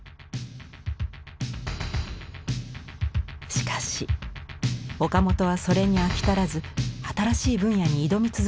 しかし岡本はそれに飽き足らず新しい分野に挑み続けます。